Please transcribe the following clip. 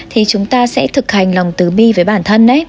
thì chúng ta sẽ thực hành lòng tứ bi với bản thân